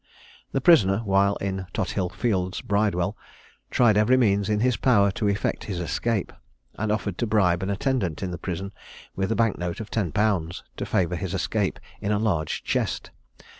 The prisoner, while in Tothill fields Bridewell, tried every means in his power to effect his escape, and offered to bribe an attendant in the prison with a bank note of ten pounds, to favour his escape in a large chest.